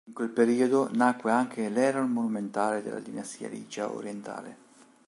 In quel periodo nacque anche l'Heroon monumentale della dinastia licia orientale.